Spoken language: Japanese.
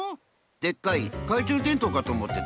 でっかいかいちゅうでんとうかとおもってた。